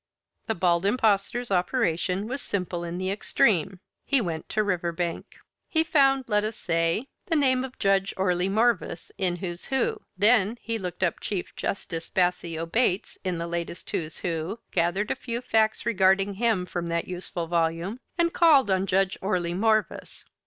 The Bald Impostor's operation was simple in the extreme. He went to Riverbank. He found, let us say, the name of Judge Orley Morvis in "Who's Who." Then he looked up Chief Justice Bassio Bates in the latest "Who's Who," gathered a few facts regarding him from that useful volume, and called on Judge Orley Morvis.